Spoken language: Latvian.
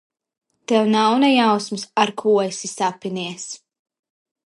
Tev nav ne jausmas, ar ko esi sapinies!